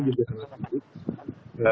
juga sangat baik